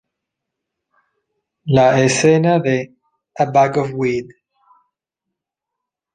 La escena de "A Bag of Weed".